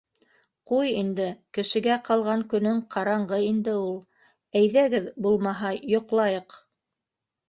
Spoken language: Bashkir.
— Ҡуй инде, кешегә ҡалған көнөң ҡараңғы инде ул. Әйҙәгеҙ, булмаһа йоҡлайыҡ.